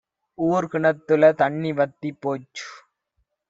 ஊர் கிணத்துல தண்ணி வத்தி போச்சு